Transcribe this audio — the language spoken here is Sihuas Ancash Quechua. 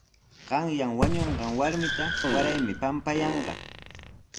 Qanyan wañunqan warmita waraymi pampayanqa.